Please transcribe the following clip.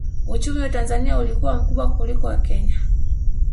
Uchumi wa Tanzania ulikuwa mkubwa kuliko wa Kenya